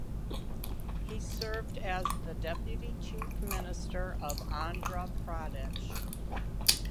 He served as the Deputy Chief Minister of Andhra Pradesh.